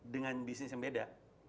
dengan bisnis yang beda